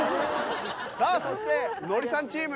さあそしてノリさんチーム。